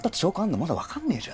まだ分かんねえじゃん